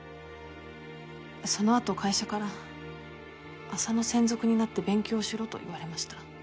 そのあと会社から浅野専属になって勉強しろと言われました。